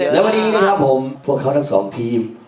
และวันนี้นะครับผมพวกเขาทั้งสองทีม